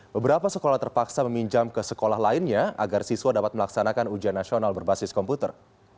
beberapa sekolah terpaksa meminjam ke sekolah lainnya agar siswa dapat melaksanakan ujian nasional berbasis komputer